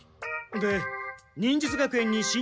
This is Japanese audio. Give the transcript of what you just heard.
で忍術学園にしん